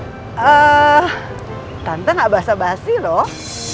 eee tante gak basa basi loh